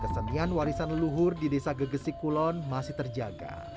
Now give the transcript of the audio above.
kesenian warisan leluhur di desa gegesik kulon masih terjaga